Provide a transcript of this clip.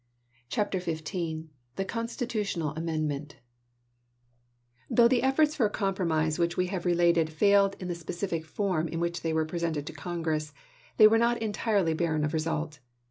CHAPTER XV THE CONSTITUTIONAL AMENDMENT THOUGH the efforts for compromise which we have related failed in the specific form in which they were presented to Congress, they were not en tirely barren of result.